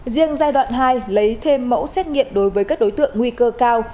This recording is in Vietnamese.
riêng giai đoạn hai lấy thêm mẫu xét nghiệm đối với các đối tượng nguy cơ cao